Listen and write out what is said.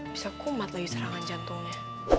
bisa kumat lagi serangan jantungnya